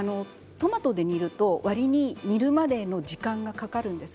トマトで煮るとわりに煮るまでの時間がかかるんです。